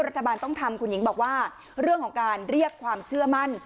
รัฐบาลต้องทำคุณหญิงบอกว่าเรื่องของการเรียกความเชื่อมั่น